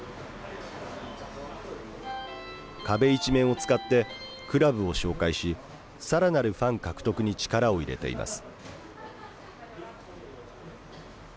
壁一面を使ってクラブを紹介しさらなるファン獲得に力を入れています。